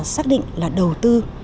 xác định là đầu tư